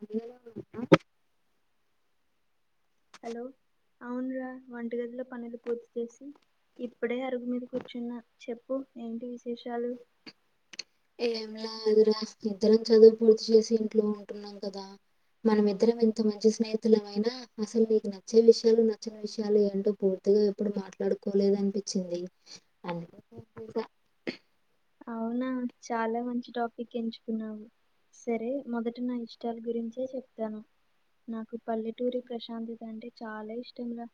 అ hello అవునరా వంటగదిలో పనులు పూర్తి చేసి ఇప్పుడే అరుగు మీద కూర్చున్న చెప్పు ఏంటి విశేషాలు [unintelligible] ఇద్దరం చదువు పూర్తి చేసి ఇంట్లో ఉంటున్నాం కదా మనమిద్దరం ఎంత మంచి స్నేహితులమైన అసలు నీకు నచ్చే విషయాలు నచ్చిన విషయాలు ఏంటో పూర్తిగా ఎప్పుడు మాట్లాడుకోలేదు అనిపించింది అ అవునా చాల మంచి టాపిక్ ఎంచుకున్నావు సరే మొదటి న ఇష్టాల గురించే చెప్తాను నాకు పల్లెటూరి ప్రశాంత్త అంటడి చాల ఇష్టం ర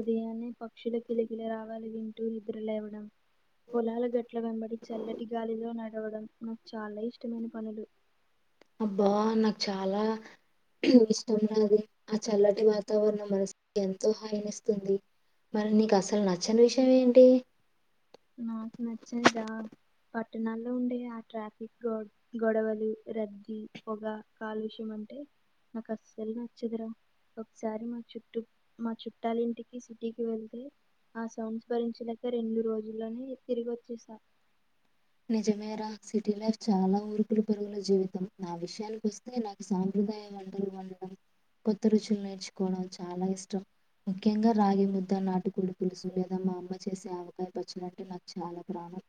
ఉదయాన్నే పక్షుల [unintelligible] రావాలి వింటూ నిద్రలేవడం పొలాల గట్ల వెంబడి చల్లటి గాలిలో నడవడం నాకు చాల ఇష్టమైన పనులు అబ్బా నాకు చాలా ఇష్టం రాది ఆ చల్లటి వాతావరణం మనసుకి ఎంతో హాయినిస్తుంది మరి నీకు అసలు నచ్చని విషయం ఏంటి నాకు నచ్చనిదా పట్టణాల్లో ఉండే ఆ ట్రాఫిక్ రోడ్ గొడవలు, రద్దీ, పొగ, కాలుష్యం అంటే నాకు అస్సల్ నచ్చదురా ఒకసారి మా చుట్టూ మా చుట్టాల ఇంటికి సిటీకి వెళ్తే ఆ సౌండ్స్ భరించలేక రెండు రోజుల్లోనే తిరిగి వచ్చేసా నిజమే రా సిటీ లైఫ్ చాలా ఊరుకులు పరుగుల జీవితం నా విషయానికి వస్త అంటే నాకు సాంప్రదాయ వంటలు వండడం, కొత్త రుచులు నేర్చుకోవడం చాలా ఇష్టం ముఖ్యంగా రాగి ముద్ద, నాటుకోడు పులుసు లేదా మా అమ్మ చేసే ఆవకాయ పచ్చులు అంటే నాకు చాలా ప్రాణం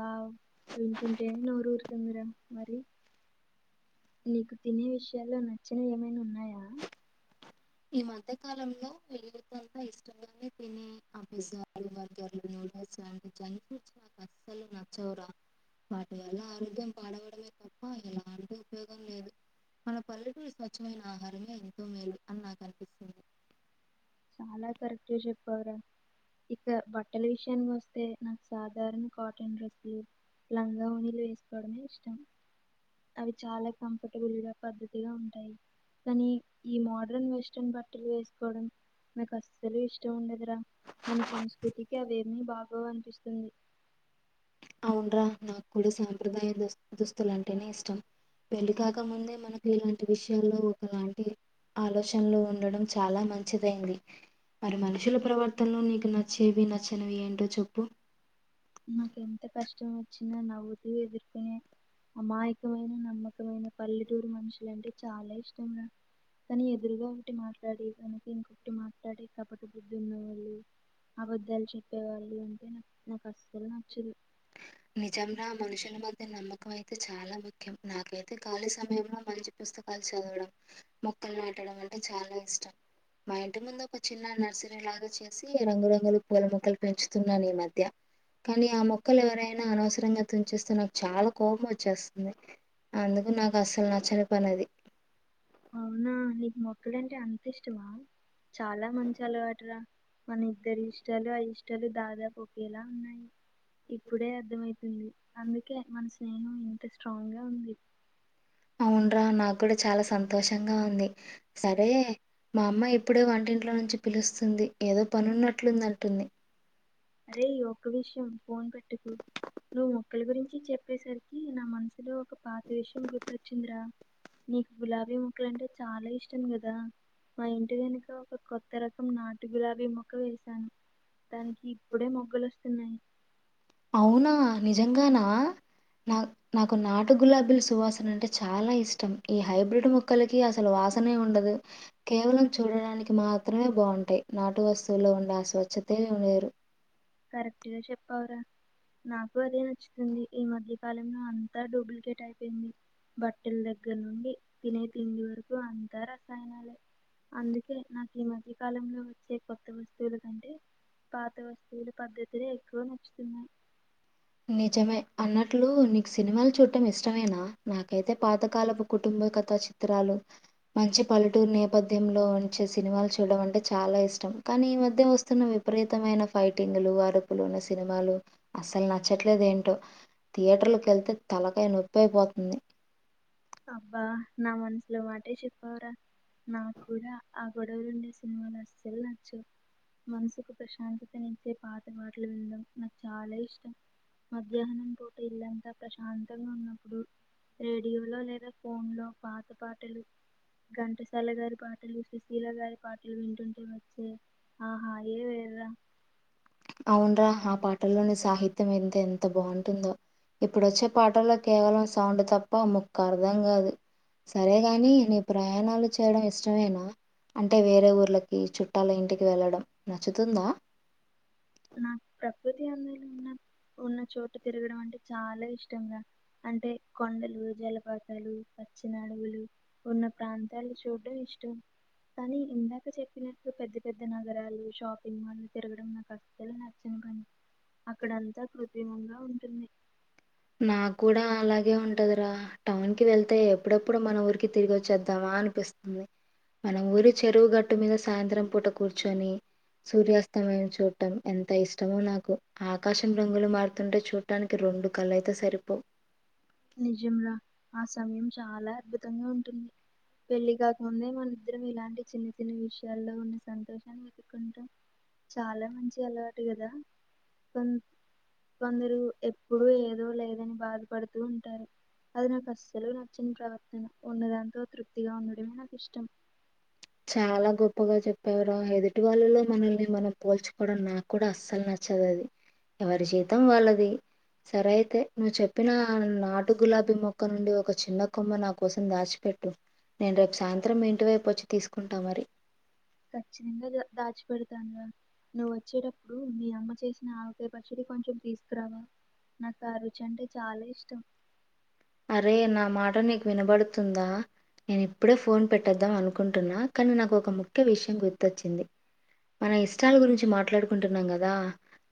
ఆ వింటుంటే నోరు ఊరుతుందిరా మరి నీకు తినే విషయాల్లో నచ్చనివి ఏమైనా ఉన్నాయా ఈ మధ్య కాలంలో వెలుతేంతా ఇష్టంగానే తినే ఆ పిజ్జాలు బర్గర్లు నూడిల్స్ అ జంక్ ఫుడ్స్ నాక్ అస్సల్ నచ్చవురా వాటి వల్ల ఆరోగ్యం పాడవడమే తప్ప ఎలాంటి ఉపయోగం లేదు మన పళ్ళు కి స్వచ్ఛమైన ఆహారమే ఎంతో మేలు అని నాకు అనిపిస్తుంది చాలా కరెక్ట్గా చెప్పావురా ఇక బట్టల విషయానికి వస్తే నాకు సాధారణ కాటన్ డ్రెస్లు లంగా ఓణీలు వేసుకోవడమే ఇష్టం అవి చాలా కంఫర్టబుల్ గా పద్ధతిగా ఉంటాయి కానీ ఈ మోడ్రన్ వెస్ట్రన్ బట్టలు వేసుకోవడం నాకు అస్సలు ఇష్టం ఉండదురా మన సంస్కృతికి అవేమి బాగోవు అనిపిస్తుంది అవున్రా నాకు కూడా సాంప్రదాయ దుస్ దుస్తులు అంటేనే ఇష్టం పెళ్లి కాక ముందే మనకి ఇలాంటి విషయాల్లో ఒకలాంటి ఆలోచనలు ఉండడం చాలా మంచిదైంది మరి మనుషుల ప్రవర్తనలో నీకు నచ్చేవి నచ్చనివి ఏంటో చెప్పు నాకు ఎంత కష్టం వచ్చినా నవ్వుతూ ఎదుర్కొనే అమాయకమైన నమ్మకమైన పల్లెటూరు మనుషులు అంటే చాలా ఇష్టం. కానీ ఎదురుగా ఒకటి మాట్లాడి వెనుక ఇంకొటి మాట్లాడే కపట బుద్ధి ఉన్నవాళ్ళు అబద్ధాలు చెప్పేవాళ్ళు అంటే నాకు నాకు అసలు నచ్చదు నిజం రా మనుషుల మధ్య నమ్మకం అయితే చాలా మం ముఖ్యం నాకైతే ఖాళీ సమయంలో మంచి పుస్తకాలు చదవడం మొక్కలు నాటడం అంటే చాలా ఇష్టం మా ఇంటి ముందు ఒక చిన్న నర్సరీ లాగా చేసి రంగురంగులు పూల మొక్కలు పెంచుతున్నాను ఈ మధ్య కానీ ఆ మొక్కలు ఎవరైనా అనవసరంగా తుంచేస్తే నాకు చాలా కోపం వచ్చేస్తుంది అందుకు నాకు అసలు నచ్చని పని అది అవునా నీకు మొక్కలంటే అంత ఇష్టమా చాలా మంచి అలవాటురా మన ఇద్దరి ఇష్టాలు అయిష్టాలు దాదాపు ఒకేలా ఉన్నాయి ఇప్పుడే అర్థమయితుంది అందుకే మన స్నేహం ఇంత స్ట్రాంగ్ గా ఉంది అవున్రా నాకు కూడా చాలా సంతోషంగా ఉంది సరే మా అమ్మాయి ఇప్పుడే వంటింట్లో నుంచి పిలుస్తుంది ఏదో పని ఉన్నట్లుందంటుంది అరే ఒక్క విషయం ఫోన్ పెట్టకు నువ్వు మొక్కల గురించి చెప్పేసరికి నా మనసులో ఒక పాత విషయం గుర్తొచ్చిందిరా నీకు గులాబీ మొక్కలు అంటే చాలా ఇష్టం కదా మా ఇంటి వెనుక ఒక కొత్త రకం నాటు గులాబీ మొక్క వేసాను దానికి ఇప్పుడే మగ్గలు వస్తున్నాయి అవునా నిజంగానా నా నాకు నాటు గులాబీల సువాసన అంటే చాలా ఇష్టం ఈ హైబ్రిడ్ మొక్కలకి అసలు వాసనే ఉండదు కేవలం చూడడానికి మాత్రమే బాగుంటాయ్ నాటు వస్తువుల్లో ఉండే స్వచ్ఛతే లేరు కరెక్ట్గా చెప్పావురా నాకు అదే నచ్చుతుంది ఈ మధ్యకాలంలో అంతా డూప్లికేట్ అయిపోయింది బట్టల దగ్గర నుండి తినే తిండి వరకు అంతా రసాయనాలే అందుకే నాకు ఈ మధ్య కాలంలో వచ్చే కొత్త వస్తువుల కంటే పాత వస్ పల పద్ధతిలే ఎక్కువ నచ్చుతున్న నిజమే అన్నట్లు నీకు సినిమాలు చూడటం ఇష్టమేనా నాకైతే పాతకాలపు కుటుంబ కథ చి చిత్రరాలు మంచి పల్లెటూరు నేపథ్యంలో ఉంచే సినిమాలు చూడడం అంటే చాలా ఇష్టం కానీ ఈ మధ్య వస్తున్న విపరీతమైన ఫైటింగ్లు అరుపులున్న సినిమాలు అసలు న నచ్చట్లేదు ఏంటో థియేటర్లకు వెళ్తే తలకాయ నొప్పి అయిపోతుంది అబ్బా నా మనసులో మాటే చెప్పావురా నా కూడా ఆ గొడవలుండే సినిమాలు అసలు నచ్చు మనసుకు ప్రశాంతతనిచ్చే పాత పాటలు వినడం నాకు చాలా ఇష్టం మధ్యాహ్నం పూట ఇల్లంతా ప్రశాంతంగా ఉన్నప్పుడు రేడియో లో లేదా ఫోన్లో పాత పాటలు ఘంటసాల గారి పాటలు సుశీల గారి పాటలు వింటుంటే వచ్చే ఆహా ఏవ ఎ అవున్రా ఆ పాటల్లోని సాహిత్యం ఎంత ఎంత బాగుంటుందో ఇప్పుడు వచ్చే పాటల్లో కేవలం సౌండ్ తప్ప ముక్క అర్ధం కాదు సరేగాని నీ ప్రయాణాలు చేయడం ఇష్టమేనా అంటే వేరే ఊర్లకి చుట్టాల ఇంటికి వెళ్ళడం నచ్చుతుందా నాకు ప్రకృతి అందలో ఉన్న ఉన్న చోటు తిరగడం అంటే చాలా ఇష్టంగా అంటే కొండలు జలపాతాలు పచ్చిన అడగులు పన్న ప్రాంతాలు చూడ్డం ఇష్టం కానీ ఇందాక చెప్పినట్లు పెద్ద పెద్ద నగరాలు షాపింగ్ మాల్ తిరగడం నాకు లు నచ్చని కానీ అక్కడంతా కృత్రిమంగా ఉంటుంది మాగ్గూడా అలాగే ఉంటదిరా టౌన్ కి వెళ్తే ఎప్పుడెప్పుడు మన ఊరికి తిరిగి వచ్చేద్దామా అనిపిస్తుంది మనం ఊరి చెరువు గట్టు మీద సాయంత్రం పూట కూర్చొని సూర్యాస్తమయం చూటం ఎంత ఇష్టమో నాకు ఆకాశం రంగులు మారుతుంటే చూడటానికి రెండు కళయితే సరిపో నిజంరా ఆ సమయం చాలా అద్భుతంగా ఉంటుంది పెళ్లి కాకముందే మనద్దరం ఇలాంటి చిన్న చిన్న విషయాల్లో ఉన్న సంతోషాన్ని కుంట చాలా మంచి అలవాటు కదా కొ కొందరు ఎప్పుడు ఏదో లేదని బాధపడుతూ ఉంటారు అది నాకు అస్సలు నచ్చని ప్రవర్తన ఉన్న దాంతో తృప్తిగా ఉండడమే నాకు ఇష్టం చాలా గొప్పగా చెప్పేరా ఎదుటి వాళ్ళలలో మనల్ని మనం పోల్చుకోవడం నాకు కూడా అస్సలు నచ్చదు అది ఎవరి జీతం వాళ్ళది సరే అయితే నువ్వు చెప్పిన నాటు గులాబీ మొక్క నుండి ఒక చిన్న కొమ్మ నా కోసం దాచి పెట్టు నేను రేపు సాయంత్రం మీ ఇంటి వైపు వచ్చి తీసుకుంటా మరి ఖచ్చితంగా దా దాచిపడతానుగా నువ్వు వచ్చేటప్పుడు నీ అమ్మ చేసిన ఆవకాయ పచ్చడి కొంచెం తీసుకురావా నాకు ఆ రుచి అంటే చాలా ఇష్టం అరే నా మాట నీకు వినబడుతుందా నేను ఇప్పుడే ఫోన్ పెట్టొద్దాం అనుకుంటున్నా కానీ నాకు ఒక ముఖ్య విషయం గుర్తొచ్చింది మన ఇష్టాల గురించి మాట్లాడుకుంటున్నాం కదా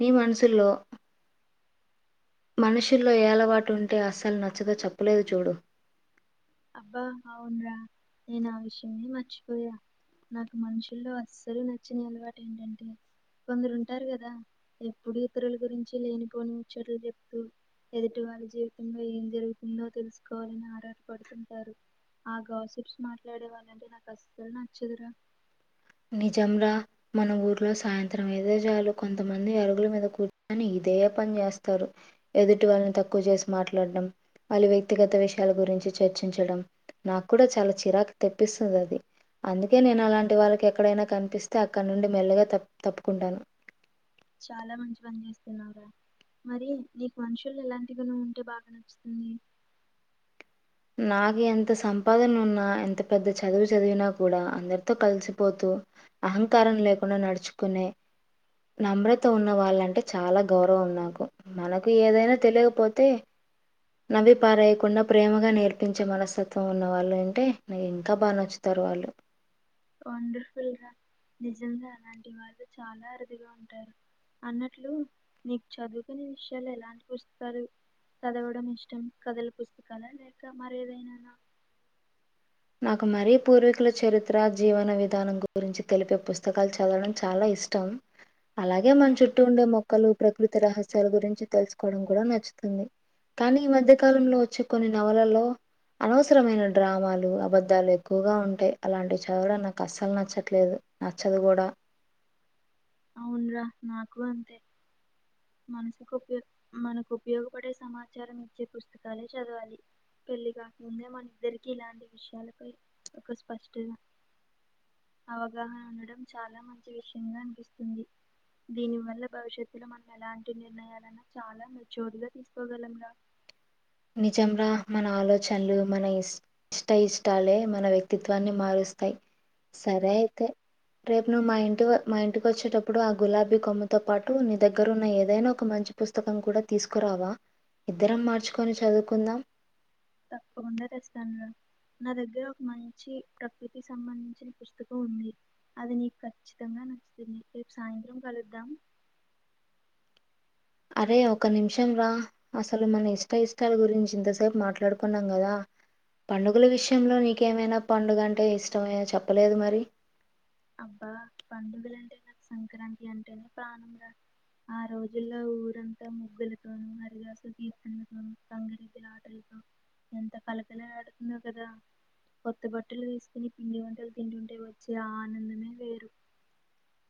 నీ మనసుల్లో మనుషుల్లో ఏ అలవాటు ఉంటే అస్సలు నచ్చదో చెప్పలేదు చూడు అబ్బా అవున్రా నేను ఆ విషయే మర్చిపోయా నాకు మనుషుల్లో అస్సలు నచ్చని అలవాటు ఏంటంటే కొందరు ఉంటారు కదా ఎప్పుడు ఇతరుల గురించి లేనిపోని ముచ్చట్లు చెప్తూ ఎదుటి వాళ్ళ జీవితంలో ఏం జరుగుతుందో తెలుసుకోవాలని ఆర పడుతుంటారు ఆ గాసిప్స్ మాట్లాడే వాళ్ళంటే నాకు అసలు నచ్చదురా నిజంరా మన ఊర్లో సాయంత్రం అయితే చాలు కొంతమంది అరుగుల మీద కూర్చొని ఇదే పని చేేస్తారు ఎదుటి వాళ్ళని తక్కువ చేసి మాట్లాడడం వాళ్ళ వ్యక్తిగత విషయాల గురించి చర్చించడం నాకు కూడా చాలా చిరాకు తెప్పిస్తుంది అది అందుకే నేను అలాంటి వాళ్ళకి ఎక్ ఏక్కడైనా కనిపిస్తే అక్కడ నుండి మెల్లగా తప్ తప్పుకుంటాను చాలా మంచి పని చేస్తున్నావురు మరి నీకు మనుషులు ఎలాంటిగానో ఉంటే బాగా నచ్చుతుంది నాకు ఎంత సంపాదన ఉన్నా ఎంత పెద్ద చదువు చదివినా కూడా అందరితో కలిసిపోతూ అహంకారం లేకుండా నడుచుకునే నమ్రత ఉన్న వాళ్ళంటే చాలా గౌరవం నాకు మనకు ఏదైనా తెలియకపోతే నవి పారేయ్యకుండా ప్రేమ గా నేర్పించే మనస్తత్వం ఉన్న వాళ్ళు అంటే నాకు ఇంకా బాగా నచ్చుతారు వాళ్ళు వండర్ఫుల్ ర నిజంగా అలాంటి వాళు చాలా అరుదుగా ఉంటారు అన్నట్లు నీకు చదువుకునే విషయాలు ఎలాంటి పుస్తకాలు చదవడం ఇష్టం కథల పుస్తకాాల లేక మరి ఏదైనానా నాకు మరీ పూర్వీకుల చరిత్ర జీవన విధానం గురించి తెలిపే పుస్తకాలు చదవడం చాలా ఇష్ ష్టం అలాగే మన చుట్టూ ఉండే మొక్కలు ప్రకృతి రహస్యాల గురించి తెలుసుకోవడం కూడా నచ్చుతుంది కానీ ఈ మధ్య కాలంలో వచ్చే కొన్ని నవలలో అనవసరమైన డ్రామాలు అబద్ధాలు ఎక్కువగా ఉంటాయి అలాంటివి చవడం నాకు అస్సలు నచ్చట్లేదు నచ్చదు కూడా అవున్రా నాకు అంతే మనసుకుప్ మనకు ఉపయోగపడే సమాచారం ఇచ్చే పుస్తకాలే చదవాలి పెళ్లిి కాకముందే మన ఇద్దరికి ఇలాంటి విషయాలపై ఒక స్పష్టత అవగాహన ఉండడం చాలా మంచి విషయంగా అనిపిస్తుంది దీనివల్ల భవిష్యత్తులో మనం ఎలాంటి నిర్ణయాలన్నా చాలా మెచ్యూర్ గా తీసుకోగలంరా నిజం రా మన ఆలోచనలు మన ఇష్ ఇష్ట ఇష్టాలే మన వ్యక్తిత్వాన్ని మారుస్తాయి సరే అయితే రేపు నువ్వు మా ఇంటి మా ఇంటికి వచ్చేటప్పుడు ఆ గులాబీ కొమ్మతో పాటు నీ దగ్గర ఉన్న ఏదైనా ఒక మంచి పుస్తకం కూడా తీసుకురావా ఇద్దరం మార్చుకొని చదువుకుందాం తప్పకుండా తెస్తాను నా దగ్గర ఒక మంచి ప్రకృతికి సంబంధించిన పుస్తకం ఉంది అది నీకు ఖచ్చితంగా నచ్చుతుంది రేపు సాయంత్రం కలుద్దాం అరే ఒక నిమిషం రా అసలు మన ఇష్ట ఇష్టాల గురించి ఇంతసేపు మాట్లాడుకున్నాం కదా పండుగల విషంలో నీకేమైనా పండుగ అంటే ఇష్టమ చెప్పలేదు మరి అబ్బా పండుగలు అంటే నాక్ సంక్రాంతి అంటేనే ప్రాణం రా ఆ రోజుల్లో ఊరంతా ముగ్గులతోనూ హరిదసు తిర్తనలతోన తంగడితే ఆటలతో ఎంత కళకళలాడుతుందో కదా కొత్త బట్టలు వేస్కుని పిండి వంటలు తింటుంటే వచ్చే ఆ ఆనందమే వేరు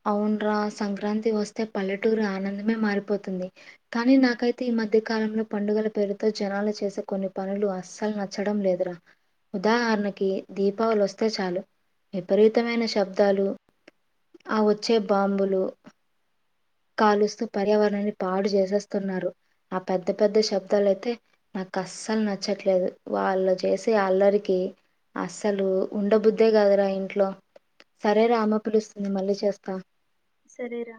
అవున్రా సంక్రాంతి వస్తే పల్లెటూరు ఆనందమే మారిపోతుంది. కానీ నాకైతే ఈ మధ్య కాలంలో పండుగల పేరుతో జనాలు చేసే కొన్ని పనులు అస్సలు నచ్చ చ్చడం లేదురా ఉదాహరణకి దీపావళి ఒస్తే చాలు విపరీతమైన శబ్దాలు ఆ వోచ్చే బాంబులు కాలుస్తూ పర్యావరణాన్ని పాడు జేసేస్తున్నారు ఆ పెద్ద పెద్ద శబ్దాలైతే నాకు ఆస్సాల్ నచ్చట్లేదు వాళ్ళు చేసే అల్లరికి అస్సలు ఉండబుద్దే గాదురా ఇంట్లో సరే రా అమ్మ పిలుస్తుంది మళ్ళీ చేస్తా సరేరా